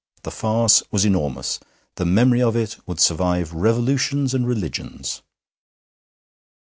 The farce was enormous; the memory of it would survive revolutions and religions.